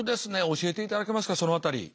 教えていただけますかその辺り。